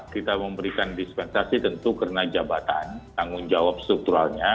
kita memberikan dispensasi tentu karena jabatan tanggung jawab strukturalnya